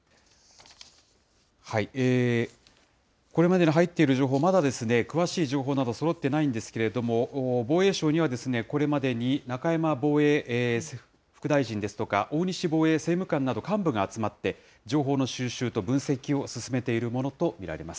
これまでに入っている情報、まだ詳しい情報などそろっていないんですけれども、防衛省にはこれまでに中山防衛副大臣ですとか、大西防衛政務官など、幹部が集まって、情報の収集と分析を進めているものと見られます。